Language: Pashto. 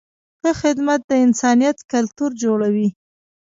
ښه خدمت د انسانیت کلتور جوړوي.